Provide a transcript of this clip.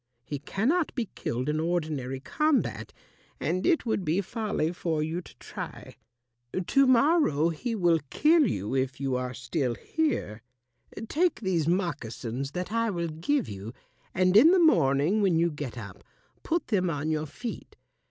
He cannot be killed in ordinary combat, and it would be folly for you to try. To morrow he will kill you if you are still here. Take these moccasins that I will give you, and in the morning when you get up put them on your feet.